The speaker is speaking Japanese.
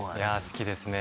好きですね。